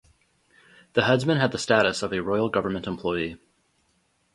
The headsman had the status of a Royal government employee.